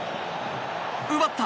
奪った！